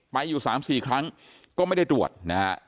ไปอยู่สามสี่ครั้งก็ไม่ได้ตรวจนะฮะ